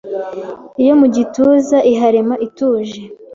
Iyo mu gituza iharema ituje,